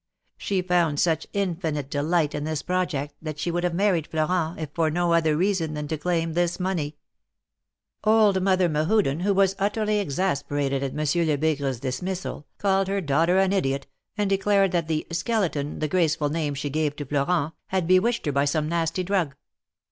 She found such infinite delight in this project that she would have married Florent, if for no other reason than to claim this money. Old Mother Mehuden, who was utterly exasperated at Monsieur Lebigre^s dismissal, called her daughter an idiot, and declared that the Skeleton," the graceful name she gave to Florent, had bewitched her by some nasty drug.